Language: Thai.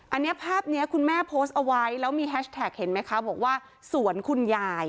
อันนี้ภาพนี้คุณแม่โพสต์เอาไว้แล้วมีแฮชแท็กเห็นไหมคะบอกว่าสวนคุณยาย